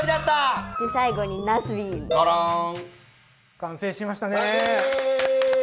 完成しましたね！